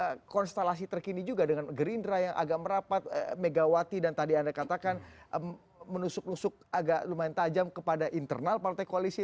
ada konstelasi terkini juga dengan gerindra yang agak merapat megawati dan tadi anda katakan menusuk nusuk agak lumayan tajam kepada internal partai koalisi